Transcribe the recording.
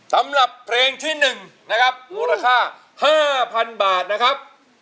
สำหรับเพลงที่๑นะครับมูลค่า๕๐๐๐บาทนะครับ